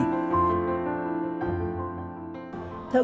thơ nguyễn thị mai